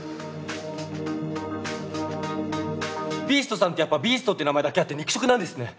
ビーストさんってやっぱビーストって名前だけあって肉食なんですね。